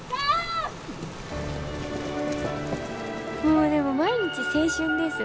もうでも毎日青春です。